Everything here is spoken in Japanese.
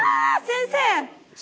先生。